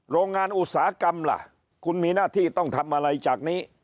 โรงงานอุตสาหกรรมล่ะคุณมีหน้าที่ต้องทำอะไรจากนี้